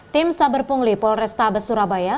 tim saber pungli polresta besurabaya